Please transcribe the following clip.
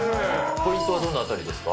ポイントはどのあたりですか？